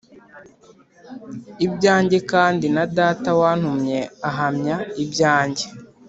ibyanjye kandi na Data wantumye ahamya ibyanjye